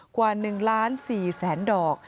กว่า๑ล้าน๔แสนดอก